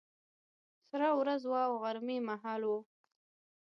سړه ورځ وه، غرمه مهال و.